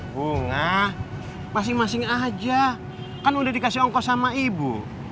bunga masing masing aja kan udah dikasih ongkos sama ibu